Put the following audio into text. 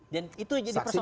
dan itu jadi persoalan